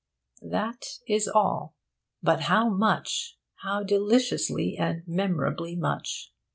That is all. But how much! how deliciously and memorably much!